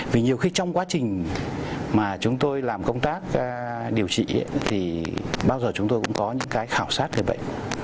vì nhiều khi trong quá trình mà chúng tôi làm công tác điều trị thì bao giờ chúng tôi cũng có những cái khảo sát về bệnh